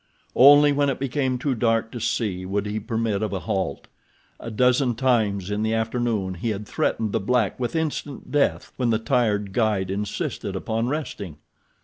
Only when it became too dark to see would he permit of a halt. A dozen times in the afternoon he had threatened the black with instant death when the tired guide insisted upon resting.